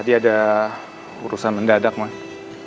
tadi ada urusan mendadak mbak